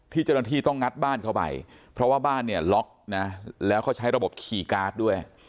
เจ้าหน้าที่ต้องงัดบ้านเข้าไปเพราะว่าบ้านเนี่ยล็อกนะแล้วเขาใช้ระบบคีย์การ์ดด้วย